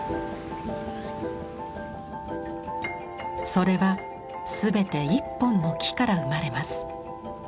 それは全て一本の木から生まれます。